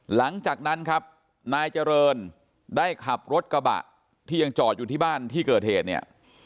หลังจากนั้นครับนายเจริญได้ขับรถกระบะที่ยังจอดอยู่ที่บ้านที่เกิดเหตุเนี่ย